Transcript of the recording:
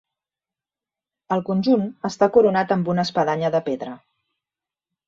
El conjunt està coronat amb una espadanya de pedra.